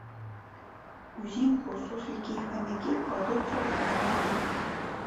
Узімку суслікі і хамякі кладуцца ў спячку.